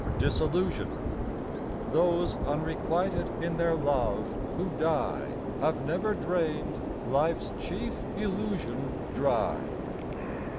DISILLUSION. Those unrequited in their love who die Have never drained life's chief illusion dry.